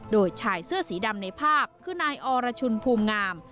โดยชายเสื้อสีดำในภาพคือนายอรชุนภูมิงาม